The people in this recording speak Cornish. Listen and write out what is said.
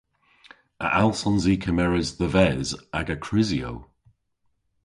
A allsons i kemeres dhe-ves aga krysyow?